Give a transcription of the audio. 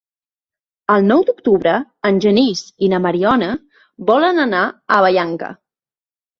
El nou d'octubre en Genís i na Mariona volen anar a Vallanca.